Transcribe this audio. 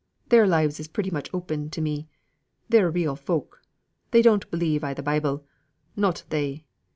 Their lives is pretty much open to me. They're real folk. They don't believe i' the Bible, not they.